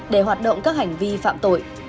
để hoạt động các hành vi phạm tội